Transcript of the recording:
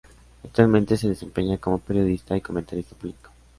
Actualmente se desempeña como periodista y comentarista político.